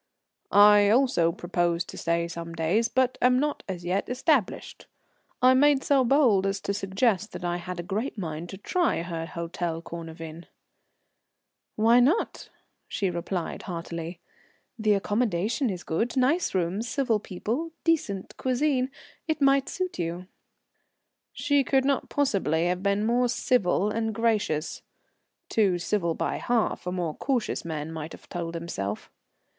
"I also propose to stay some days, but am not yet established." I made so bold as to suggest that I had a great mind to try her Hôtel Cornavin. "Why not?" she replied heartily. "The accommodation is good, nice rooms, civil people, decent cuisine. It might suit you." She could not possibly have been more civil and gracious. Too civil by half, a more cautious man might have told himself.